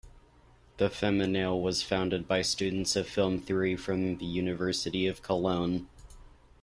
The Feminale was founded by students of film theory from the University of Cologne.